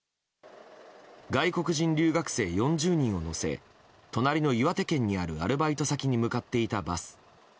外国人留学生４０人を乗せ隣の岩手県にあるアルバイト先に向かっていたバス。